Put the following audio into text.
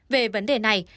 về vấn đề này